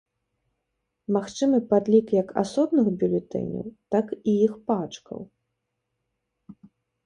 Магчымы падлік як асобных бюлетэняў, так і іх пачкаў.